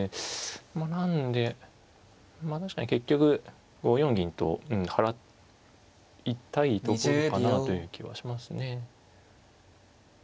なんでまあ確かに結局５四銀と払いたいところかなという気はしますね。